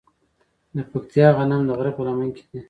د پکتیا غنم د غره په لمن کې دي.